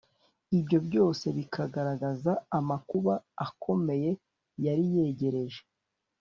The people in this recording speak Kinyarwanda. ibyo byose bikagaragaza amakuba akomeye yari yegereje